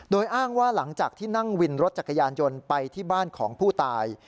โดยอ้างว่าหลังจากที่นั่งวินรถจักรยานยนต์ไปที่บ้านของผู้ตาย